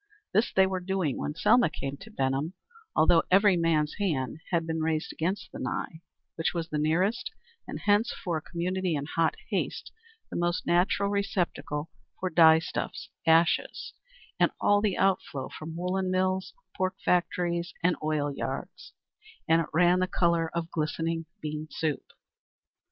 This they were doing when Selma came to Benham, although every man's hand had been raised against the Nye, which was the nearest, and hence for a community in hot haste, the most natural receptacle for dyestuffs, ashes and all the outflow from woollen mills, pork factories and oil yards, and it ran the color of glistening bean soup.